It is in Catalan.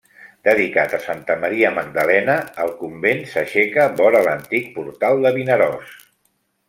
Dedicat a Santa Maria Magdalena, el convent s'aixeca vora l'antic portal de Vinaròs.